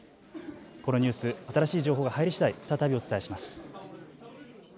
このニュース、新しい情報が入りしだい再びお伝えします。